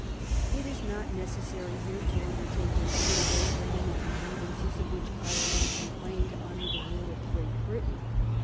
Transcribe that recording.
It is not necessary here to undertake a survey of the many grievances of which Ireland complained under the rule of Great Britain.